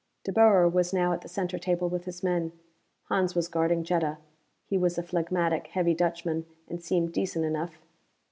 De Boer was now at the center table with his men. Hans was guarding Jetta. He was a phlegmatic, heavy Dutchman, and seemed decent enough.